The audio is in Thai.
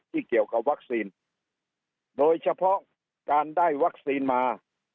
เกี่ยวกับวัคซีนโดยเฉพาะการได้วัคซีนมา